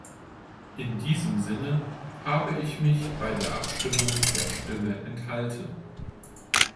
In diesem Sinne habe ich mich bei der Abstimmung der Stimme enthalten.